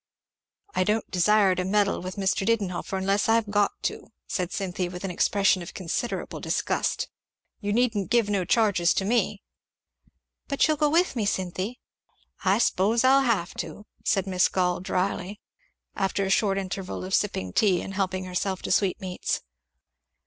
"I don't desire to meddle with Mr. Didenhover unless I've got to," said Cynthy with an expression of considerable disgust. "You needn't give no charges to me." "But you'll go with me, Cynthy?" "I s'pose I'll have to," said Miss Gall dryly, after a short interval of sipping tea and helping herself to sweetmeats.